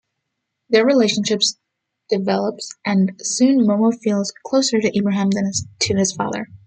Their relationship develops and soon Momo feels closer to Ibrahim than to his father.